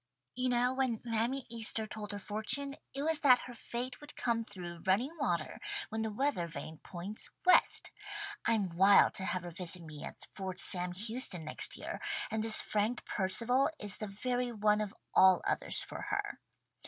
You know when Mammy Easter told her fortune, it was that her fate would come through running water when the weather vane points West. I'm wild to have her visit me at Fort Sam Houston next year, and this Frank Percival is the very one of all others for her.